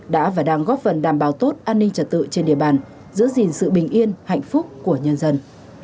đã và đang góp phần đảm bảo tốt an ninh trật tự trên địa bàn giữ gìn sự bình yên hạnh phúc của nhân dân